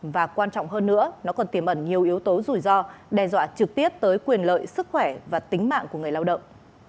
và quan trọng hơn nữa nó còn tiềm ẩn nhiều yếu tố rủi ro đe dọa trực tiếp tới quyền lợi sức khỏe và tính mạng của người lao động